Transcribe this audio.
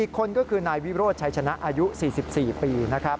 ๔คนก็คือนายวิโรธชัยชนะอายุ๔๔ปี